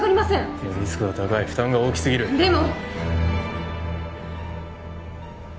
いやリスクが高い負担が大きすぎるでも！